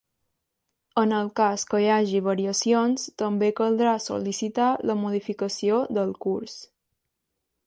En el cas que hi hagi variacions, també caldrà sol·licitar la modificació del curs.